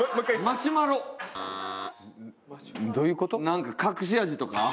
なんか隠し味とか？